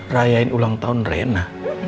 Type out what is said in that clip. rayain ulang tahun rena